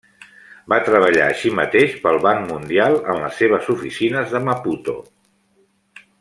Va treballar així mateix pel Banc Mundial en les seves oficines de Maputo.